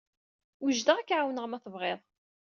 Wejdeɣ ad k-ɛawneɣ ma tebɣid.